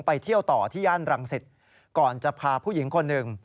ไปเที่ยวต่อที่ย่านรังสิตก่อนจะพาผู้หญิงคนหนึ่ง